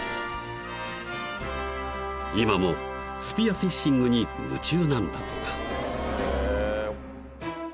［今もスピアフィッシングに夢中なんだとか］